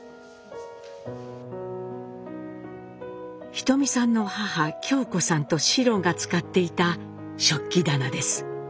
ひとみさんの母・京子さんと四郎が使っていた食器棚です。